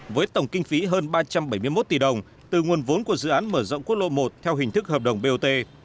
với tổng kinh phí hơn ba trăm bảy mươi một tỷ đồng từ nguồn vốn của dự án mở rộng quốc lộ một theo hình thức hợp đồng bot